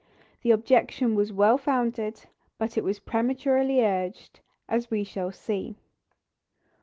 The objection was well founded, but was prematurely urged, as we shall see.